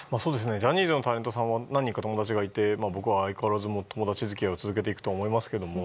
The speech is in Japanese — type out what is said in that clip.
ジャニーズのタレントさんは何人か友達がいて相変わらず、僕は友達付き合いを続けていくと思いますけれども。